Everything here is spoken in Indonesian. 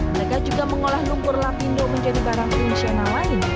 mereka juga mengolah lumpur lapindo menjadi barang fungsional lain